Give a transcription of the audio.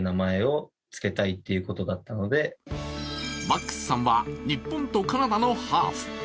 マックスさんは日本とカナダのハーフ。